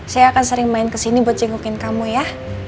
saya akan sering main kesini buat jengukin kamu ya